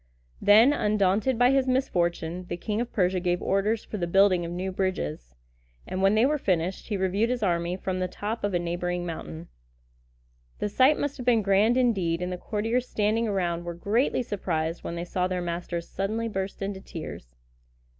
Then, undaunted by his misfortune, the King of Persia gave orders for the building of new bridges; and when they were finished, he reviewed his army from the top of a neighboring mountain. The sight must have been grand indeed, and the courtiers standing around were greatly surprised when they saw their master suddenly burst into tears.